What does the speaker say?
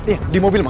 iya di mobil ma